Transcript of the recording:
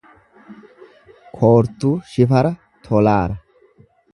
Koortuu Shifara Tolaara